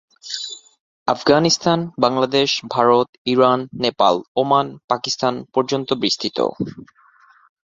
Afghanistan, Bangladesh, Bharat, Iran, Nepal, Oman, Pakistan পর্যন্ত বিস্তৃত।